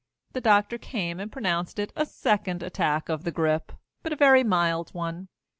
The doctor came and pronounced it a second attack of the grip, but a very mild one.